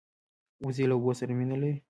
وزې له اوبو سره مینه لري